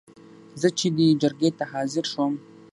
زه چې دې جرګې ته حاضر شوم.